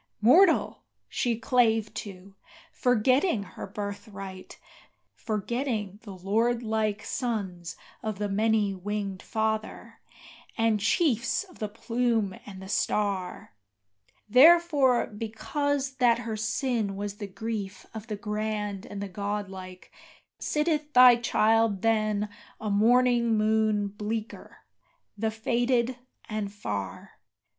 Mortal she clave to, forgetting her birthright, forgetting the lordlike Sons of the many winged Father, and chiefs of the plume and the star, Therefore, because that her sin was the grief of the grand and the godlike, Sitteth thy child than a morning moon bleaker, the faded, and far.